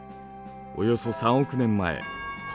およそ３億年前古